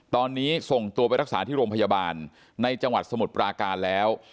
ตอนนี้ส่งตัวไปรักษาที่โรงพยาบาลในจังหวัดสมุทรปราการแล้ว